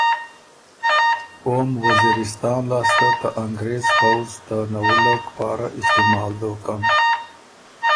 اوم وزیرِستان لاسته ته انګریز پؤځ ته نوُلک پاره استعمال دوکن